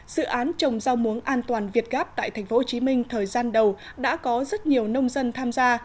dự án trồng rau muống an toàn việt gáp tại tp hcm thời gian đầu đã có rất nhiều nông dân tham gia